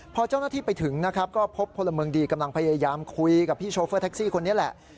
พอเจ้าหน้าที่ไปถึงนะครับก็พบพลเมืองดีกำลังพยายามคุยกับพี่โชเฟอร์แท็กซี่คนนี้แหละ